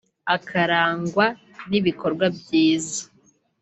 akarangwa n’ibikorwa byiza